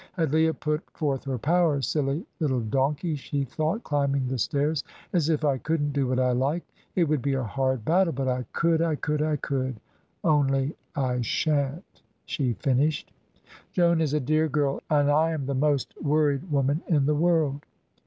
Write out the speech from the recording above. Had Leah put forth her powers "Silly little donkey," she thought, climbing the stairs, "as if I couldn't do what I liked. It would be a hard battle, but I could I could I could, only I shan't," she finished. "Joan is a dear girl, and I am the most worried woman in the world."